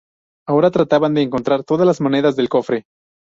Ahora trataban de encontrar todas las monedas del cofre.